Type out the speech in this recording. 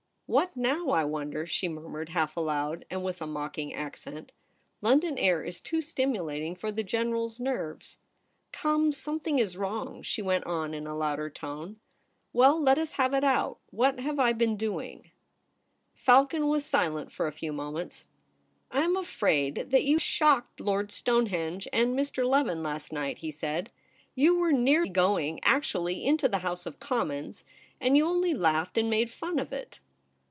' What now, I wonder,' she murmured half aloud, and with a mocking accent ;' London air is too stimulating for the General's nerves. Come, something is wrong,' she went on in a louder tone. 'Well, let us have it out. What have I been doino ?' THE PRINCESS AT HOME. i6i Falcon was silent for a few moments. ' I am afraid that you shocked Lord Stone henge and Mr. Leven last night,' he said. ' You were near going actually into the House of Commons ; and you only laughed and made fun of it.'